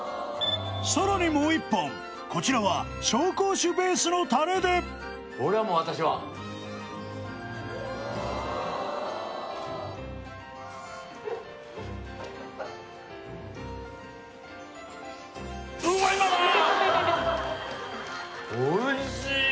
さらにもう一本こちらは紹興酒ベースのタレでこれはもう私はおいしい！